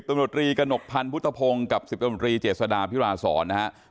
ตำรวจรีกระหนกพันธ์พุทธพงศ์กับ๑๐ตำรวจรีเจษฎาพิราศรนะฮะ